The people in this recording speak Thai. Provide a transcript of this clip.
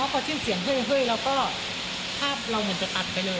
ก็ชื่นเสียงเฮ้ยเฮ้ยแล้วก็ภาพเราเหมือนจะตัดไปเลย